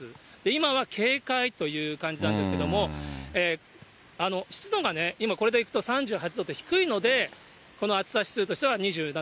今は警戒という感じなんですけども、湿度がね、今、これでいくと３８度って低いので、この暑さ指数としては２７。